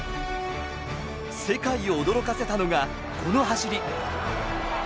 世界を驚かせたのが、この走り。